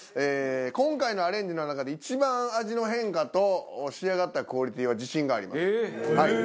今回のアレンジの中で一番味の変化と仕上がったクオリティは自信があります。